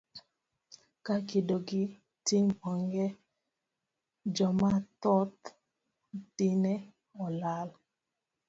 Ka kido gi tim onge, joma dhoth dine olal.